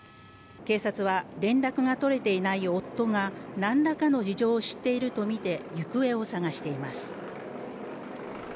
警察は、連絡が取れていない夫が何らかの事情を知っているとみて、行方を捜しています。